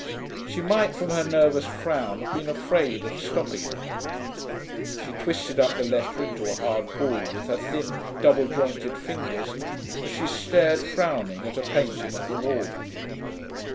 She might, from her nervous frown, have been afraid of 'stopping one.' She twisted up the letter into a hard ball with her thin, double jointed fingers, as she stared, frowning, at a painting on the wall.